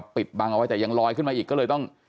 ปิดบังเอาไว้แต่ยังลอยขึ้นมาอีกก็เลยต้อง